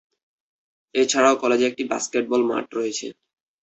এছাড়াও কলেজে একটি বাস্কেটবল মাঠ রয়েছে।